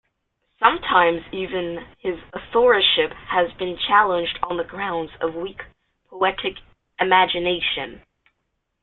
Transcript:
Sometimes even his authorship has been challenged on the grounds of weak poetic imagination.